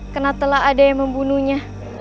karena telah ada yang membunuhnya